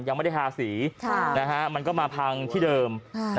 ยังไม่ได้ทาสีมันก็มาพังที่เดิม